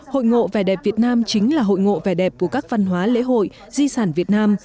hội ngộ vẻ đẹp việt nam chính là hội ngộ vẻ đẹp của các văn hóa lễ hội di sản việt nam